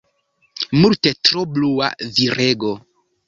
Multe tro blua, virego.